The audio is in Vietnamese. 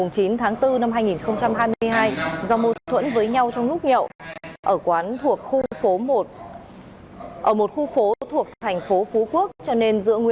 sau một thời gian